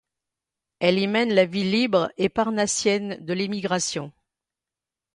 Elle y mène la vie libre et parnassienne de l'émigration.